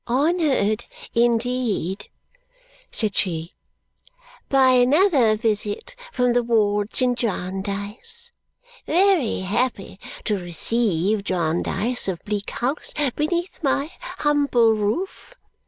"Honoured, indeed," said she, "by another visit from the wards in Jarndyce! Ve ry happy to receive Jarndyce of Bleak House beneath my humble roof!"